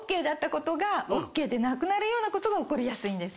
ようなことが起こりやすいんです。